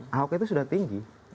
hawk itu sudah tinggi